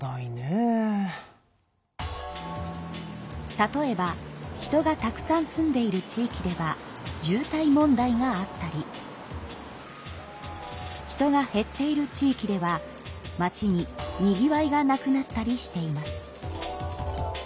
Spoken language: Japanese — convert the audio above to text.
例えば人がたくさん住んでいる地域では渋滞問題があったり人が減っている地域では町ににぎわいがなくなったりしています。